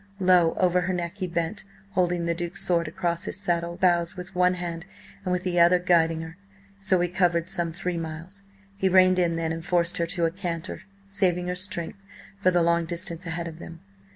Low over her neck he bent, holding the Duke's sword across his saddle bows with one hand and with the other guiding her. So he covered some three miles. He reined in then, and forced her to a canter, saving her strength for the long distance ahead of them.